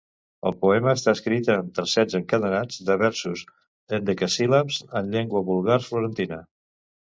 El poema està escrit en tercets encadenats de versos hendecasíl·labs en llengua vulgar florentina.